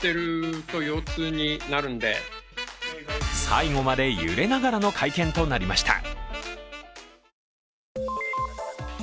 最後まで揺れながらの会見となりました。